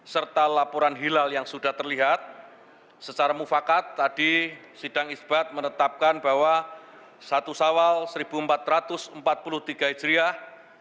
serta laporan hilal yang sudah terlihat secara mufakat tadi sidang isbat menetapkan bahwa satu sawal seribu empat ratus empat puluh tiga hijriah